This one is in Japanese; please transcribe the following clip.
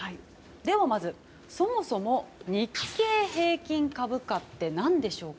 まず、そもそも日経平均株価って何でしょうか？